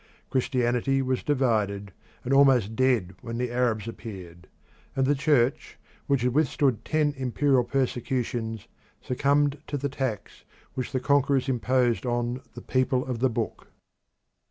Christianity was divided and almost dead when the Arabs appeared, and the Church which had withstood ten imperial persecutions succumbed to the tax which the conquerors imposed on "the people of the book."